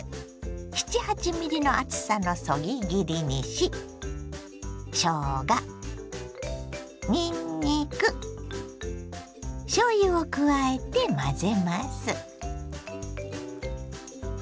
７８ｍｍの厚さのそぎ切りにししょうがにんにくしょうゆを加えて混ぜます。